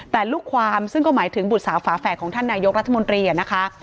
แต่ลูกความซึ่งก็หมายถึงบุตรสาวฝาแฝดของท่านนายกรัฐมนตรีนะคะ